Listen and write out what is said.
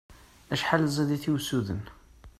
Acḥal ẓid-it i usuden!